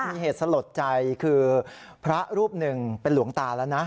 มีเหตุสลดใจคือพระรูปหนึ่งเป็นหลวงตาแล้วนะ